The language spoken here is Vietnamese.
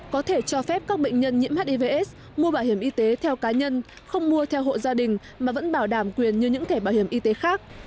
có thể cho phép các bệnh nhân nhiễm hivs mua bảo hiểm y tế theo cá nhân không mua theo hộ gia đình mà vẫn bảo đảm quyền như những thẻ bảo hiểm y tế khác